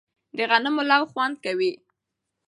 د غنمو لو خوند کوي